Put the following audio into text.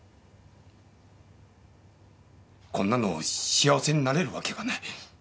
こんなの幸せになれるわけがない。